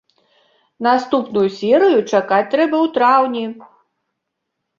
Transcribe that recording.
Наступную серыю чакаць трэба ў траўні!